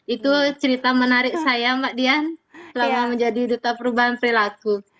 itu cerita menarik saya mbak dian selama menjadi duta perubahan perilaku